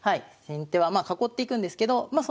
先手はまあ囲っていくんですけどまあ